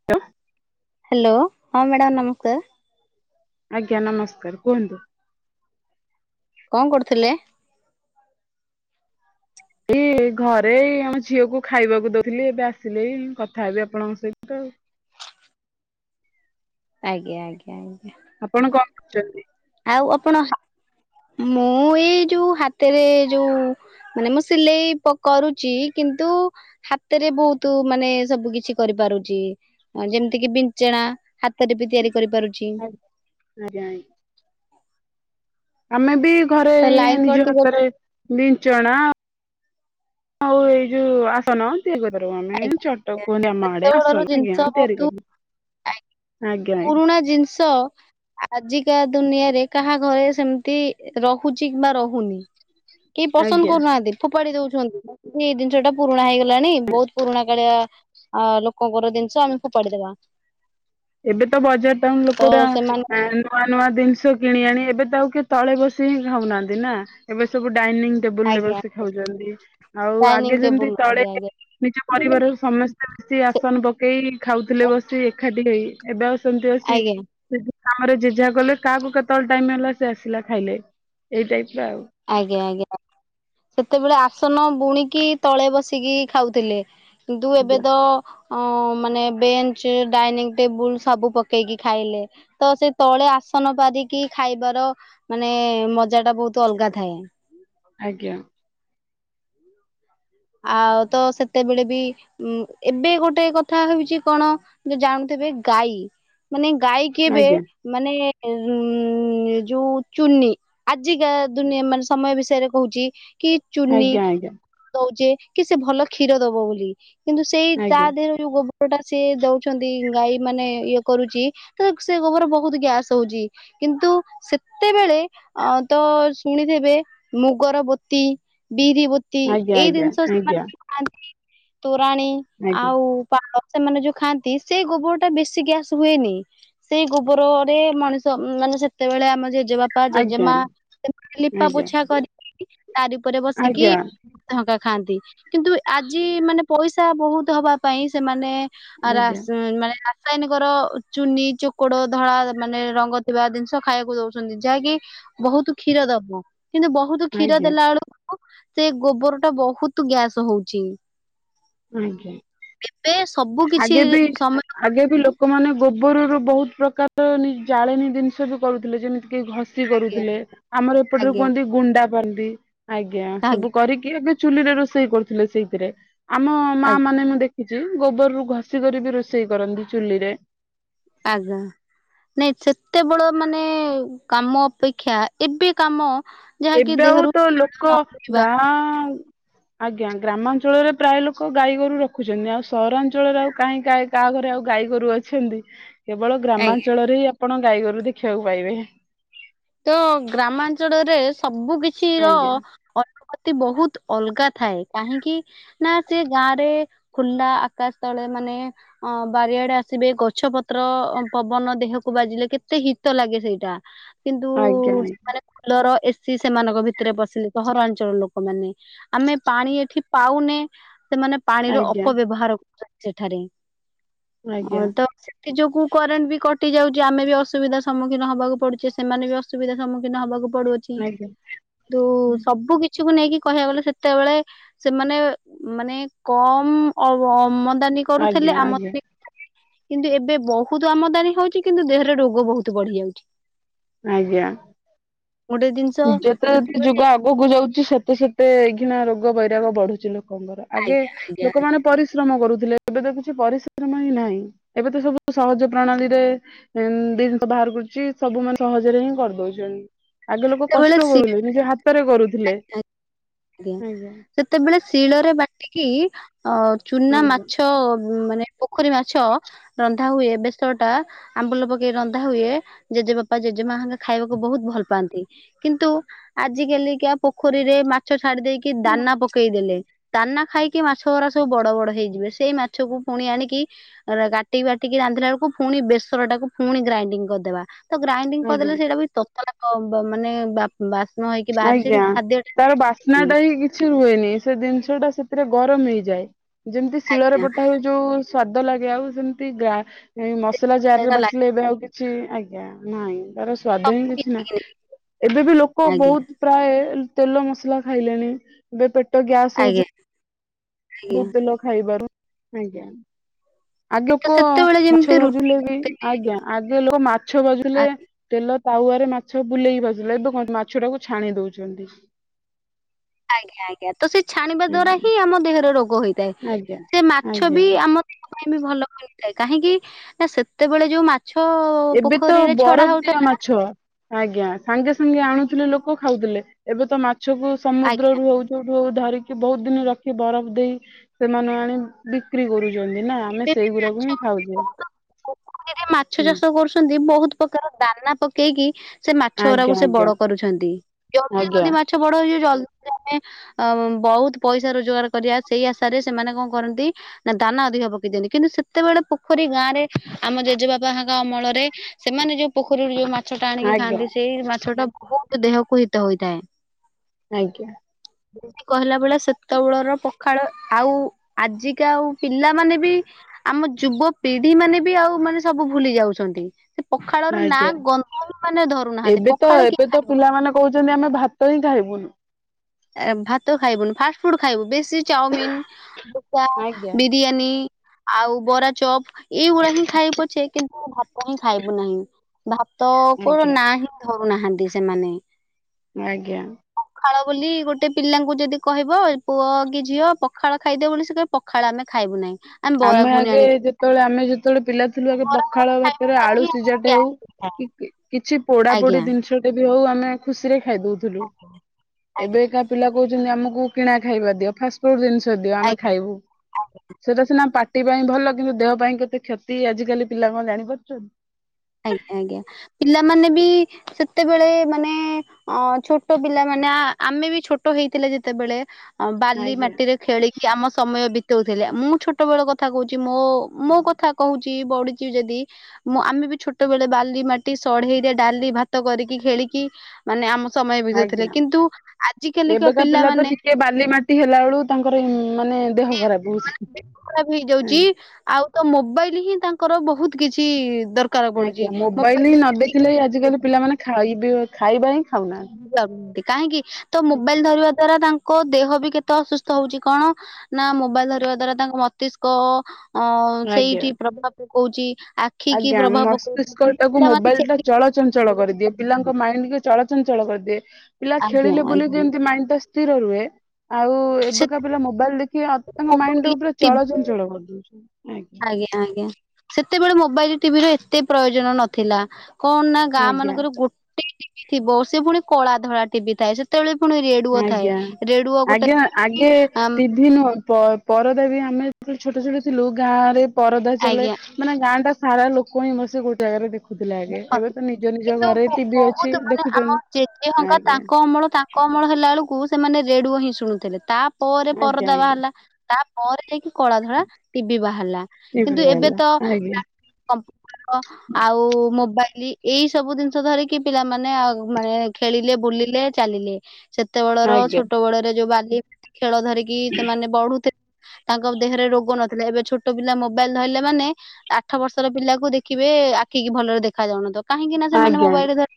[inaudible] Hello ହଁ madam ନମସ୍କାର। ଆଜ୍ଞା ନମସ୍କାର କୁହନ୍ତୁ। କଣ କରୁଥିଲେ? ଏଇ ଘରେ ଆମ ଝିଅକୁ ଖାଇବାକୁ ଦଉଥିଲି ଏବେ ଆସିଲେ କଥା ହେବି ଆପଣଙ୍କ ସହିତ ଆଉ। ଆଜ୍ଞା ଆଜ୍ଞା ଆଜ୍ଞା ଆଜ୍ଞା। ଆପଣ କଣ କରୁଛନ୍ତି? ଆଉ ଆପଣ ମୁଁ ଏଇ ଯୋଉ ହାତରେ ଯୋଉ ମାନେ ମୁଁ ସିଲେଇ ପ କରୁଛି କିନ୍ତୁ ହାତରେ ବହୁତ ମାନେ ସବୁକିଛି କରିପାରୁଛି ହଁ ଯେମିତିକି ବିଞ୍ଚଣା ହାତରେ ବି ତିଆରି କରିପାରୁଛି ଆଜ୍ଞା ଆମେବି ଘରେ ତ ଏଇ ଲାଇନ ନିଜ କଟି ହାତରେ ବିଞ୍ଚଣା ଆଉ ଏଇ ଯୋଉ ଆସନ ତିଆରି କରିପାରିବୁ ଆମେ ଚଟ କୁହନ୍ତି ଆମ ଆଡେ ଆସନ ଆଜ୍ଞା ତିଆରି କରିବା ଆ -ପୁରୁଣା ଜିନିଷ ଆଜିକା ଦୁନିଆରେ କାହା ଘରେ ସେମିତି ରହୁଛି କିମ୍ବା ରହୁନି କେହି ପସନ୍ଦ ଆଜ୍ଞା। କରୁନାହାନ୍ତି ଫୋପାଡି ଦଉଛନ୍ତି ଏଇ ଜିନିଷଟା ପୁରୁଣା ହେଇଗଲାଣି ବହୁତ ଘାକାଳିଆ ଲୋକଙ୍କର ଜିନିଷ ଆମେ ଫୋପାଡ଼ିଦବା ଏବେତ ବଜାର ଟାଉନ୍ ଲୋକ ତ ଗୁଡ଼ା ସେମାନେ ଆ ନୂଆ ନୂଆ ଜିନିଷ କିଣି ଆଣି ଏବେତ ଆଉ କିଏ ତଳେ ବସିହିଁ ଖାଉନାହାନ୍ତି ନା ଏବେ ସବୁ ଡାଇନିଂ ଟେବୁଲରେ ଆଜ୍ଞା ବସି ଖାଉଛନ୍ତି ଆଉ ଡାଇନିଂ ଆଗେ ଯେମିତି ଟେବୁଲ ତଳେ ଆଜ୍ଞା ଆଜ୍ଞା ନିଜ ପରିବାରର ସମସ୍ତେ ବସି ସେ ଆସନ ପକେଇ ଖାଉଥିଲେ ବସି ଏକାଠି ହେଇ ଏବେ ଆଉ ସେମିତି ଆଜ୍ଞା ଅଛିକି କାମରେ ଜେ ଯାହା କଲେ କାହାକୁ କେତେବେଳେ ଟାଇମ ମିଳିଲା ସେ ଆସିଲା ଖାଇଲେ ଏଇ ଟାଇପ ର ଆଉ ଆଜ୍ଞା ଆଜ୍ଞା ସେତେବେଳେ ଆସନ ବୁଣିକି ତଳେ ବସିକି ଖାଉଥିଲେ କିନ୍ତୁ ଆଉ ଏବେତ ଅ -ମାନେ ବେଞ୍ଚ ଡାଇନିଂ ଟେବୁଲ ସବୁ ପକେଇକି ଖାଇଲେ ତ ସେ ତଳେ ଆସନ ପାରିକି ଖାଇବାର ମାନେ ମଜାଟା ବହୁତ ଅଲଗା ଥାଏ ଆଜ୍ଞା ଆଉତ ସେତେବେଳେ ବି ଉ ଏବେ ଗୋଟେ କଥା ହେଉଛି କଣ ଯେ ଜାଣୁଥିବେ ଗାଈ ମାନେ ଗାଈ କେବେ ଆଜ୍ଞା ମାନେ ଉ ଉ ଯୋଉ ଚୁନି ଆଜିକା ଦୁନିଆ ମାନେ ସମୟ ବିଷୟରେ କହୁଛି କି ଚୁନି ଆଜ୍ଞା ଦଉଛେ କି ସେ ଭଲ କ୍ଷୀର ଦବ ବୋଲି କିନ୍ତୁ ସେଇ ତା ଆଜ୍ଞା ଦେହରେ ଯଉ ଗୋବରଟା ସିଏ ଦଉଛନ୍ତି ଗାଈମାନେ ଇଏ କରୁଛି ତ ସେ ଗୋବର ବହୁତ ଗ୍ୟାସ ହଉଛି କିନ୍ତୁ ସେତେବେଳେ ଅଁ ତ ଶୁଣିଥିବେ ମୁଗର ବୋତୀ ବୀରି ବୋ ତି ଆଜ୍ଞା ଏଇ ଆଜ୍ଞା ଜିନିଷ ଆଜ୍ଞା ସେମାନେ ଖାଥାନ୍ତି ତୋରାଣୀ ଆଜ୍ଞା ଆଜ୍ଞା ଆଉ ପା ସେମାନେ ଯୋଉ ଖାଆନ୍ତି ସେ ଗୋବରଟା ବେଶୀ ଗ୍ୟାସ ହୁଏନି ସେଇ ଗୋବରରେ ମଣିଷ ମାନେ ସେତେବେଳେ ଆମ ଜେଜେ ବାପା ଆଜ୍ଞା ଜେଜେ ମା ଲିପା ଆଜ୍ଞା ଆଜ୍ଞା ପୋଛା କରି ତାରି ଉପରେ ବସିକି ଆଜ୍ଞା [unintelligible] ଖାଆନ୍ତି କିନ୍ତୁ ଆଜି ମାନେ ପଇସା ବହୁତ ହବା ପାଇଁ ସେମାନେ [unintelligible] ଆ ଆଜ୍ଞା ରାସ ମାନେ ରାସାୟନିକର ଚୁନି ଚୋକଡ ଧଳା ମାନେ ରଙ୍ଗ ଥିବା ଜିନିଷ ଖାଇବାକୁ ଦଉଛନ୍ତି ଯାହାକି ବହୁତ କ୍ଷୀର ଦବୁ କିନ୍ତୁ ବହୁତ କ୍ଷୀର ଆଜ୍ଞା ଦେଲା ବେଳକୁ ସେ ଗୋବର ତ ବହୁତ ଗ୍ୟାସ ହଉଛି ଆଜ୍ଞା ଏ ବେଶ ଆଗେ ବି ଆଗେ ବି ଲୋକମାନେ ଗୋବରର ବହୁତ ପ୍ରକାର ଜାଳେଣୀ ଜିନିଷ ବି କରୁଥିଲେ ଯେମିତି କେହି ଘ ଆଜ୍ଞା କରୁଥିଲେ ଆମର ଏପଟରେ ଆଜ୍ଞା କୁହନ୍ତି ଗୁଣ୍ଡା ପାଆନ୍ତି ଆଜ୍ଞା ସବୁ କରି କି ଏବେ ଚୁଲି ରେ ରୋଷେଇ କରୁଥିଲେ ସେଇଥିରେ ଆମ ମା ଆଜ୍ଞା ମାନେ ମୁଁ ଦେଖିଚି। ଗୋବରରୁୁ ଘଷିିକରି ବି ରୋଷେଇ କରନ୍ତି ଚୁଲିରେ। ଆଗା। ନାଇଁ ସେତେ ବଳ ମାନେ କାମ ଅପେକ୍ଷା ଏବେ କାମ ଯାହାକି ଏବେ ଆଉ ଦେହରୁ ତ ଲୋକ ନବା ଗାଁ ଆଜ୍ଞା ଗ୍ରାମାଞ୍ଚଳରେ ପ୍ରାୟ ଲୋକ ଗାଈ ଗୋରୁ ରଖୁଚନ୍ତି ଆଉ ସହରାଞ୍ଚଳରେ ଆଉ କାହିଁ ଗାଈ କାହା ଘରେ ଆଉ ଗାଈ ଗୋରୁ ଅଛନ୍ତି କେବଳ ଆଜ୍ଞା ଗ୍ରାମାଞ୍ଚଳରେ ହିଁ ଆପଣ ଗାଈ ଗୋରୁ ଦେଖିବାକୁ ପାଇବେ। ତ ଗ୍ରାମାଞ୍ଚଳରେ ସବୁ କିଛି ର ଆଜ୍ଞା ଅ ଅତି ବହୁତ ଅଲଗା ଥାଏ କାହିଁକି? ନାଁ ସେ ଗାଁ ରେ ଖୁଲା ଆକାଶ ତଳେ ମାନେ ଅ ବାରିଆଡେ ଆସିବେ ଗଛ ପତ୍ର ପବନ ଦେହକୁ ବାଜିଲେ କେତେ ହିତ ଲାଗେ ସେଇଟା। କିନ୍ତୁ ଆଜ୍ଞା ସେମାନେ ଫୁଲର ଏସିି ସେମାନଙ୍କ ଭିତରେ ପଶିଲେ ସହରାଞ୍ଚଳ ଲୋକମାନେ। ଆମେ ପାଣି ଏଠି ପାଉନେ ସେମାନେ ପାଣିର ଆଜ୍ଞା ଅପବ୍ୟବହାର କରୁଚନ୍ତି ସେଠାରେ ଆଜ୍ଞା ଆଜ୍ଞା ଅ-ତ କି ଯୋଗୁ କରେଣ୍ଟ ବି କଟି ଯାଉଚି ଆମେ ବି ଅସୁବିଧା ସମ୍ମୁଖୀନ ହବାକୁ ପଡୁଚି ସେମାନେ ବି ଅସୁବିଧା ସମ୍ମୁଖୀନ ହବାକୁ ପଡୁଅଛି ଆଜ୍ଞା କିନ୍ତୁ ସବୁ କି କିଛିକୁ ନେଇକି କହିବାକୁ ଗଲେ ସେତେବେଳେ ସେମାନେ ମାନେ କମ ଅ-ଅମଦାନୀ କରୁଥିଲେ ଆଜ୍ଞା ଆଜ୍ଞା ଆମଦାନୀ କିନ୍ତୁ ଏବେ ବହୁତ ଆମଦାନୀ ହଉଚି କିନ୍ତୁ ଦେହରେ ରୋଗ ବହୁତ ବଢି ଯାଉଚି। ଆଜ୍ଞା। ଗୋଟେ ଜିନିଷ ଯେତେ ଯତେ ଯୁଗ ସେତେବେଳେ ଆଉ ଗକୁ ଯାଉଚି ସେତେ ସେତେ ଏଇ ଘିଣା ରୋଗ ବୈରାଗ ବଢୁଚି ଲୋକଙ୍କର ଆଗେ ଆଜ୍ଞା ଆଜ୍ଞା ଆଜ୍ଞା ଲୋକମାନେ ପରି ଶ୍ରମ କରୁଥିଲେ ଏବେ ତ କିଛି ପରିଶ୍ରମ ହିଁ ନାହିଁ ଏବେ ତ ସବୁ ସହଜ ପ୍ରଣାଳୀରେ ଜିନିଷ ବାହାର କରୁଚି ସବୁ ମାନେ ସହଜରେ ହିଁ କରିଦଉଚନ୍ତି। ଆଗେ ଲୋକ ସେତେବେଳେ କଷ୍ଟ ସିଏ [unintelligible] ନିଜ ହାତରେ କରୁଥିଲେ। ଆଜ୍ଞା ସେତେବେଳେ ଶିଳରେ ବାଟିକି ଅ ଚୁନା ଆଜ୍ଞା ମାଛ ମାନେ ପୋଖରୀ ମାଛ ରନ୍ଧା ହୁଏ ଏବେ ସଟା ଆମ୍ବୁଲ ପକେଇ ରନ୍ଧା ହୁଏ ଜେଜେବାପା ଜେଜେମାହେଙ୍କା ଖାଇବାକୁ ବହୁତ ଭଲ ପାଆନ୍ ଣନ୍ତି କିନ୍ତୁ ଆଜ କାଲିକା ପୋଖରୀରେ ମାଛ ଛାଡି ଦେଇକି ଦାନା ପକେଇ ଦେେଲେ। ଦାନା ଖାଇକି ମାଛ ଗୁରା ସବୁ ବଡ ବଡ ହେଇଯିବେ ସେଇ ମାଛକୁ ଫୁଣି ଆଣିକି କାଟିକି ବାଟିକି ରାନ୍ଧିଲା ବେଳକୁ ପୁଣି ବେସର ଟାକୁ ଫୁଣି ଗ୍ରାଇଣ୍ଡିଙ୍ଗ କରିଦେବା ତ ଗ୍ରାଇଣ୍ଡିଙ୍ଗ ଆଜ୍ଞା। କରିଦେଲେ ସେଇଟା ବି ତତଲା ବା ମାନେ ବା ବାସ୍ନ ହେଇକି ବାହାରୁଚି ସେଠି ଆଜ୍ଞା ଖାଦ୍ୟଟା ତାର ଟେଷ୍ଟେ ବାସ୍ନା ଲାଗେନି। ଟା ହିଁ କିଛି ରୁହେନି ସେ ଜିନିଷ ଟା ସେଥିରେ ଗରମ ହେଇଯାଏ ଯେମିତି ଶିଳରେ ଆଜ୍ଞା। ବଟା ହଉ ଯୋଉ ସ୍ଵାଦ ଲାଗେ ଆଉ ସେମିତି ଗ୍ରା ମସଲା ଜାର ରେ ଟା ବାଟିଲେ ଲାଗେ ଏବେ ଆଉ କି ଛି ଆଜ୍ଞା ନାଇଁ ତାର ସ୍ଵାଦ ହିଁ ସବୁ କିଛି ନେଇକି। ନାହିଁ ଏବେ ବି ଲୋକ ଆଜ୍ଞା ବହୁତ ପ୍ରାୟେ ତେଲ ମସଲା ଖାଇଲେଣି ଏବେ ପେଟ ଗ୍ୟାସ ଆଜ୍ଞା ହଉଚି ଆଜ୍ଞା ବହୁତ ତେଲ ଖାଇବାରୁ। ଆଗେ ତ ଲୋକ ସେତେବେଳେ ମାଛ ଯେମିତି ରୁଟି ଭଜୁଲେ ବି ଆଗେ ଲୋକ ମାଛ [unintelligible] ଆଜ୍ଞା ତେଲ ତାୱରେ ମାଛ ବୁଲେଇକି [unintelligible] ଏବେ କଣ ମାଛ ଟାକୁ ଛାଣି ଦଉଚନ୍ତି। ଆଜ୍ଞା ଆଜ୍ଞା ତ ସେ ଛାଣିବା ଦ୍ଵାରା ଆଜ୍ଞା। ହିଁ ଆମ ଦେହରେ ରୋଗ ହେଇଥାଏ ଆଜ୍ଞା ସେ ମାଛ ଆଜ୍ଞା ବି ଆ ଆମ ଦେହ ପାଇଁ ବି ଭଲ କରିଥାଏ କାହିଁକି ନା ସେତେବେଳେ ଯୋଉ ମା ଏବେ ତ ବରଫ ଦିଆ ମାଛ। ଆଜ୍ଞା ସାଙ୍ଗେ ସାଙ୍ଗେ ଆଣୁଥିଲେ ଲୋକ ଖାଉଥିଲେ ଏବେ ତ ମାଛକୁ ଆଜ୍ଞା ସମୁଦ୍ରରୁ ହଉ [unintelligible] ଧରିକି ବହୁତ ଦିନି ରଖି ବରଫ ଦେଇ ସେମାନେ ଆଣି ବିକ୍ରି କରୁଚନ୍ତି ନାଁ। ଆମେ ଏବେ ବି ସେଇଗୁଡାକୁ ମାଛ ହିଁ ଖାଉଛେ। ବହୁତ ହୁଁ। ଛନ୍ତି ବହୁତ ପ୍ରକାର ଦାନା ପକେଇକି ସେ ମାଛ ଗୁରାକୁ ଆଜ୍ଞା ସେ ଆଜ୍ଞା ବଡ କରୁଛନ୍ତି, ଜଲଦି ଆଜ୍ଞା ଜଲଦି ମାଛ ବଡ ହେଇଯିବ ଜଲଦି ଜଲଦି ଅ ବହୁତ ପଇସା ରୋଜଗାର କରିବା ସେଇ ଆଶାରେ ସେମାନେ କଣ କରନ୍ତି ନା ଦାନା ଅଧିକ [inaudible] କିନ୍ତୁ ସେତେବେଳେ ପୋଖରୀ ଗାଁ ରେ ଆମ ଜେଜେବାପହାଙ୍କ ଅମଳରେ ସେମାନେ ଯୋଉ ପୋଖରୀରୁ ଯୋଉ ମା ମାଛ ଟା ଆଣିକି ଆଜ୍ଞା ଖାଆନ୍ତି ସେଇ ମାଛ ଟା ବହୁତ ଦେହକୁ ହିତ ହୋଇଥାଏ। ଆଜ୍ଞା। କହିଲା ବେଳେ ସେତେବେଳର ପଖାଳ ଆଉ ଆଜିକା ଆଉ ପିଲାମାନେ ବି ଆମ ଯୁବ ପିଢି ମାନେ ବି ଆଉ ମାନେ ସବୁ ଭୁଲି ଯାଉଛନ୍ତି। ପଖାଳର ନାଁ ଆଜ୍ଞା ଗନ୍ଧଳ ମାନେ ଧରୁନାହାନ୍ତି। ଏବେ ତ ପଖାଳ କିଏ ଏବେ ତ ଖାଇବ? ପିଲାମାନେ କହୁଛନ୍ତି ଆମେ ଭାତ ହିଁ ଖାଇବୁନୁ। ଏ ଭାତ ଖାଇବୁନି ଫାଷ୍ଟ ଫୁଡ ଖାଇବୁ। ବେଶୀ ଚାଉମିନ ଆଜ୍ଞା [inaudible] ବିରିୟାନୀ ଆଉ ବରା ଚପ୍। ଏଇଗୁଡା ହିଁ ଖାଇବୁଛେ କିନ୍ତୁ ଭାତ ହିଁ ଖାଇବୁ ନାହିଁ। ଭାତ କୋର ଆଜ୍ଞା ନାହିଁ। ଧରୁନାହାନ୍ତି ସେମାନେ। ଆଜ୍ଞା। ପଖାଳ ବୋଲି ଗୋଟେ ପିଲାଙ୍କୁ ଯଦି କହିବ ପୁଅ କି ଝିଅ ପଖାଳ ଖାଇଦେବ ବୋଲି ସେ କହିବ ପଖାଳ ଆମେ ଖାଇବୁ ନାହିଁ। ବରା ଆମେ ଘୁଗୁନି ଆଗେ ଆଣିକି ଯେତେବେଳେ ଆମେ ଯେତେବେଳେ ପିଲା ଥିଲୁ ଆଗେ ବରା ପଖାଳ ଘୁଗୁନି ଖାଇବା ଭାତରେ ଦ୍ୱାରା ଆଳୁ ହିଁ ଆମର ସିଝାଟେ ହଉ ଗ୍ୟାସ୍ ହେଇଥାଏ କି କିଛି ପୋଡା ପୋଡି ଆଜ୍ଞା ଜିନିଷଟେ ବି ହଉ ଆମେ ଖୁସିରେ ଖାଇ ଦଉଥିଲୁ। ଏବେକା ପିଲା କହୁଛନ୍ତି ଆମକୁ କିଣା ଖାଇବା ଦିଅ ଫାଷ୍ଟଫୁଡ ଜିନିଷ ଦିଅ ଆମେ ଆଜ୍ଞା ଖାଇବୁ। [inaudible] ସେଇଟା ସିନା ପାଟି ପାଇଁ ଭଲ କିନ୍ତୁ ଦେହ ପାଇଁ କେତେ କ୍ଷତି ଆଜିକାଲି ପିଲା କଣ ଜାଣିପାରୁଛନ୍ତି? ଆଜ୍ଞା, ଆଜ୍ଞା। ପିଲାମାନେ ବି ସେତେବେଳେ ମାନେ ଅ ଛୋଟ ପିଲାମାନୋନେ ଆମେ ବି ଛୋଟ ହେଇଥିଲେ ଯେତେବେଳେ ଅ ବାଲି ଆଜ୍ଞା। ମାଟିରେ ଖେଳି କି ଆମ ସମୟ ବିତଉଥିଲେ ମୁଁ ଛୋଟ ବେଳ କଥା କହୁଛି ମୋ ମୋ କଥା କହୁଛି ବଢୁଛି ଯଦି ମୁଁ ଆମେ ବି ଛୋଟବେେଳେ ବାଲି ମାଟି ସଢେଇରେ ଡାଲି ଭାତ କରିକି ଖେଳିକି ମାନେ ଆମ ସମୟ ବିତଉଥିଲେ ଆଜ୍ଞା। କିନ୍ତୁ ଆଜି କାଲିକା ପିଲାମାନେ ଇଏ ବାଲି ମାଟି ହେଲା ବେଳକୁ ତାଙ୍କର ଏ ମାନେ ଦେହ ଖରାପ ହଉଛି। [inaudible] ଖରାପ ହେଇଯାଉଛି ଆଉ ତ ମୋବାଇଲ ହିଁ ତାଙ୍କର ବହୁତ କିଛି ଦର ଆଜ୍ଞା ମୋବାଇଲ ନଦେଖିଲେ ଆଜିକାଲି ପିଲାମାନେ ଖାଇବି ଖାଇବା ହିଁ ଖାଉନା ଲାଗୁ କାହିଁକି ତ ମୋବାଇଲ ଧରିବା ଦ୍ଵାରା ତାଙ୍କ ଦେହ ବି କେତେ ଅସୁସ୍ଥ ହଉଛି କଣ ନା ମୋବାଇଲ ଧରିବା ଦ୍ଵାରା ତାଙ୍କ ମସ୍ତିଷ୍କ ଅ ଆଜ୍ଞା। ସେଇଠି ପ୍ରଭାବ ପକଉଛି, ଆ ଆଜ୍ଞା ମସ୍ତିଷ୍କଟାକୁ ସେ ମୋବାଇଲ ଟା ଚଳଚଞ୍ଚଳ କରିଦିଏ, ପିଲାଙ୍କ ମାଇଣ୍ଡକୁ ଚଳ ଚଳ କରିଦିଏ। ପିଲା ଆଜ୍ଞା ଖେଳିଲେ ବୁଲି ଆଜ୍ଞା ଯେମିତି ମାଇଣ୍ଡ ଟା ସ୍ଥିର ରୁହେ ଆଉ ସେତେ ଏବେକା ପିଲା ମୋବାଇଲ ଦେଖିକି ତାଙ୍କ ମାଇଣ୍ଡ ମୋବାଇଲ ଟା ଉପରେ ଟିଭି ଚଳଚଞ୍ଚଳ କରିଦଉ ଆଜ୍ଞା ଆଜ୍ଞା ସେତେବେଳେ ମୋବାଇଲ ଟିଭି ର ଏତେ ପ୍ରୟୋଜନ ନଥିଲା। କଣ ନା ଗାଁ ଆଜ୍ଞା ମାନଙ୍କର ଗୋଟେ ଟିଭି ଥିବ ସେ ପୁଣି କଳା ଧଳା ଟିଭି ଥାଏ ସେତେବେଳେ ପୁଣି ରେ ଆଜ୍ଞା ଆଜ୍ଞା ଆଗେ ଆମ୍ ଟିଭି ନୁହଁ ପ ପରଦା ବି ଆମେ ଯେତବେଳେ ଛୋଟ ଛୋଟ ଥିଲୁ ଗାଁ ରେ ପରଦା ଚାଲେ। ଆଜ୍ଞା ମାନେ ଗାଁଟା ସାରା ଲୋକ ହିଁ ବସି ଗୋଟେ ଜାଗାରେ ଦେ ଦେଖୁଥିଲେ ଆଗେ, ଏବେ ତ ନିଜ ନିଜ କିନ୍ତୁ ଘରେ ବ- ଟିଭି ବହୁତ ଅଛି ମାନେ ଆମ ଜେଜେ ଦେଖୁଛନ୍ତି। ହଙ୍କା ଆଜ୍ଞା। ତାଙ୍କ ଅମଳ ତା କମଳ ହେଲା ବେଳକୁ ସେମାନେ ରେଡି଼ଓ ହିଁ ଶୁଣୁଥିଲେ ତା ପରେ ଆଜ୍ଞା ପରଦା ଆଜ୍ଞା ବାହାରିଲା ତା ପରେ ଯାଇକି କଳା ଧଳା ଟିଭି ବାହାରିଲା ଟିଭି କିନ୍ତୁ ଏବେ ବାଲା ତ ଆଜ୍ଞା। [unintelligible] ଆଉ ମୋବାଇଲ ଏଇ ସବୁ ଜିନିଷ ଧରିକି ପିଲାମାନେ ମାନେ ଖେଳିଲେ ବୁଲିଲେ ଚାଲିଲେ। ସେତେବେଳର ଆଜ୍ଞା ଛୋଟ ବେଳରେ ଯୋଉ ବାଲି ଖେଳ ଧରିକି ସେମାନେ ବଢୁ଼ଥିଲେ। ତାଙ୍କ ଦେହରେ ରୋଗ ନଥିଲା ଏବେ ଛୋଟ ପିଲା ମୋବାଇଲ ଧରିଲେ ମାନେ ଆଠ ବର୍ଷର ପିଲାକୁ ଦେଖିବେ ଆଖିକି ଭଲରେ ଦେଖାଯାଉନଥିବ କାହିଁକି ନା ସେମାନେ ଆଜ୍ଞା ମୋବାଇଲ ରେ ଧ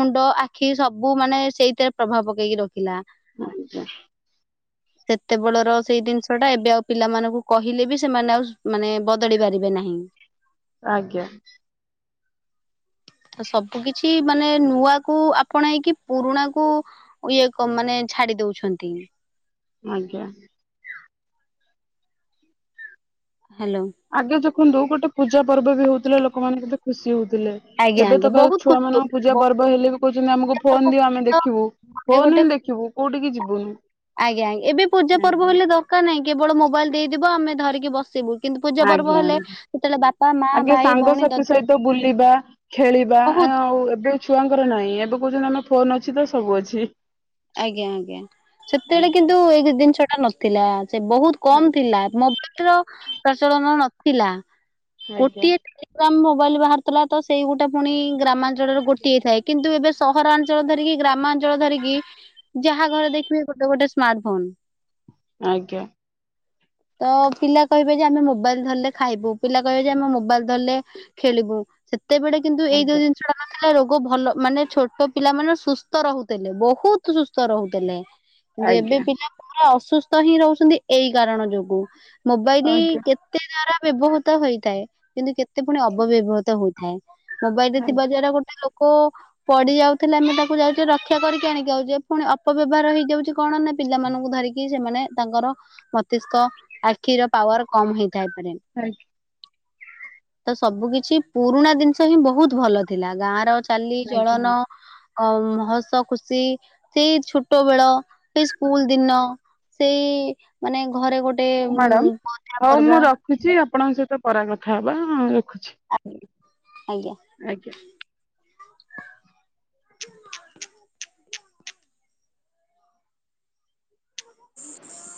ମୁଣ୍ଡ ଆଖି ସବୁ ମାନେ ସେଇଥିରେ ପ୍ରଭାବ ପକେଇକି ରଖିଲା। ଆଜ୍ଞା। [inaudible] ସେତେବେଳର ସେଇ ଜିନିଷ ଟା ଏବେ ଆଉ ପିଲାମାନଙ୍କୁ କହିଲେ ବି ସେମାନେ ଆଉ ମାନେ ବଦଳି ପାରିବେ ନାହିଁ। ଆଜ୍ଞା। ସବୁ କିଛି ମାନେ ନୂଆ କୁ ଆପଣେଇକି ପୁରୁଣା କୁ ଇଏ ମାନେ ଛାଡ଼ି ଦଉଛନ୍ତି। ଆଜ୍ଞା। ହ୍ୟାଲୋ। ଆଗେ ଦେଖନ୍ତୁ ଗୋଟେ ପୂଜା ପର୍ବ ବି ହଉଥିଲା ଲୋକ ମାନଙ୍କୁ ଦେ ଖୁସି ହଉଥିଲେ ଆଜ୍ଞା ଏବେ ଆଜ୍ଞା ତ [unintelligible] ବହୁତ ଛୁଆ ଖୁସି ମାନଙ୍କ ହଉଥିଲି। ପୂଜା ଗୋଟେ ପର୍ବ ହେଲେ କହୁଛନ୍ତି ଆମକୁ ଥରକ ଫୋନ ଦିଅ ଆମେ ଗୋଟେ ଦେଖିବୁ ଫୋନ ଗୋଟେ ହିଁ ଦେଖିବୁ କୋଉଠିକି ଯିବୁନି। ନାଇଁ ଏବେ ପୂଜା ପର୍ବ ହେଲେ ଦରକାର ନାହିଁ କେବଳ ମୋବାଇଲ ଦେଇଦବ ଆମେ ଧରିକି ବସିବୁ। କିନ୍ତୁ ପୂଜା ପର୍ବ ଆଜ୍ଞା ହେଲେ ସେତେବେଳେ ବାପା, ମା, ଆଗେ ଭାଇ ଭଉଣୀ, ସାଙ୍ଗସାଥି ଦ ସହିତ ବୁଲିବା ଖେଳିବା ଆଉ ଏବେ ଛୁଆଙ୍କର ନାହିଁ ଏବେ କହୁଛନ୍ତି ଆମ ଫୋନ ଅଛି ତ ସବୁ ଅଛି। ଆଜ୍ଞା ଆଜ୍ଞା ସେତେବେଳେ ଆଜ୍ଞା କିନ୍ତୁ ଏଇ ଜିନିଷ ଟା ନଥିଲା ସେ ବହୁତ୍ କମ ଥିଲା ମୋ [unintelligible] ପ୍ରଚଳନ ନଥିଲା ଆଜ୍ଞା ଗୋଟିଏ [unintelligible] ମୋବାଇଲ ବାହାରାରୁଥିଲା ତ ସେଇ ଗୋଟା ପୁଣି ଗ୍ରାମାଞ୍ଚଳରେ ଗୋଟି ହେଇଥାଏ କିନ୍ତୁ ଏବେ ସହରାଞ୍ଚଳ ଧରିକି ଗ୍ରାମାଞ୍ଚଳ ଧରିକି ଯାହା ଘରେ ଦେଖିବେ ଗୋଟେ ଗୋଟେ ସ୍ମାର୍ଟ ଫୋନ୍। ଆଜ୍ଞା। [inaudible] ତ ପିଲା କହିବେ ଯେ ଆମେ ମୋବାଇଲ ଧରଲେ ଖାଇବୁ ପିଲା କହିବେ ଯେ ଆମେ ମୋବାଇଲ ଧରିଲେ ଖେଳିବୁ ସେତେବେଳେ କିନ୍ତୁ ଏଇ ଯୋଉ ଆଜ୍ଞା ଜିନିଷ ଟା ଥିଲା ରୋଗ ଭଲ ମାନେ ଛୋଟ ପିଲା ମାନେ ସୁସ୍ଥ ରହୁଥିଲେ ବହୁତ୍ ସୁସ୍ଥ ରହୁଥିଲେ କିନ୍ତୁ ଏବେ ଆଜ୍ଞା ପିଲା ମାନେ ଅସୁସ୍ଥ ହିଁ ରହୁଛନ୍ତି ଏଇ କାରଣ ଯୋଗୁ ମୋବାଇଲ ଆଜ୍ଞା କେତେ ଦ୍ଵାରା ବ୍ୟବହୃତ ହୋଇଥାଏ କିନ୍ତୁ କେତେ ପୁଣି ଅବବ୍ୟବହୃତ ହୋଇଥାଏ। ମୋବାଇଲ ରେ ଆଜ୍ଞା ଥିବା ଦ୍ଵାରା ଗୋଟେ ଲୋକ ପଡିି ଯାଉଥିଲେ ଆମେ ତାକୁ ଯାଉଛେ ରକ୍ଷା କରିକି ଆଣିକି ଆଉଛେ। ପୁଣି ଅପବ୍ୟବହାର ହେଇଯାଉଛି କଣ ନା ପିଲାମାନଙ୍କୁ ଧରିକି ସେମାନେ ତାଙ୍କର ମସ୍ତିଷ୍କ ଆଖିର ପାୱାର କମ୍ ହେଇଥାଇପାରେ। ଆଜ୍ଞା। ତ ସବୁ କିଛି ପୁରୁଣା ଜିନିଷ ହିଁ ବହୁତ୍ ଭଲ ଥିଲା ଗାଁ ର ଚାଲି, ଆଜ୍ଞା। ଚଳନ, ଅ ହସ, ଖୁସି ସେଇ ଛୋଟ ବେଳ ସେଇ ସ୍କୁଲ ଦିନ ସେଇ ମାନେ ଘରେ ଗୋଟେ ହଉ ଗୋଟେ ମ୍ୟାଡାମ ପୂଜା ହଉ ମୁଁ ପର୍ବ ରଖୁଛି ଆପଣଙ୍କ ସହିତ ପରା କଥା ହବା ରଖୁଛି। ଆଜ୍ଞା ଆଜ୍ଞା। ଆଜ୍ଞା। [inaudible] [inaudible]